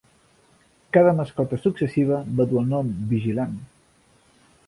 Cada mascota successiva va dur el nom Vigilant.